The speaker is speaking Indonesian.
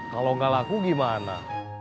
kalau gak laku gimana